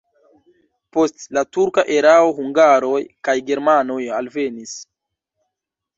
Post la turka erao hungaroj kaj germanoj alvenis.